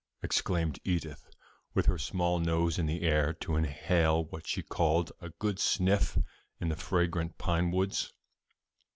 exclaimed Edith, with her small nose in the air to inhale what she called "a good sniff" in the fragrant pine woods.